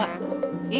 aku mau beli jamu